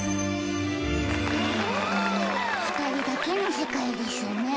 ふたりだけのせかいですね。